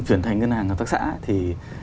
chuyển thành ngân hàng hợp tác xã thì